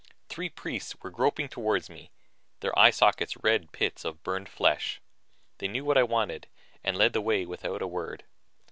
Three priests were groping toward me, their eye sockets red pits of burned flesh. They knew what I wanted and led the way without a word.